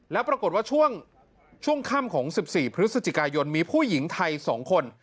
แล้วปรากฏว่าช่วงค่ำของ๑๔พฤศจิกายนมีผู้หญิงไทย๒คน